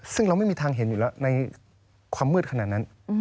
ซึ่งเราไม่มีทางเห็นอยู่แล้วในความมืดขนาดนั้น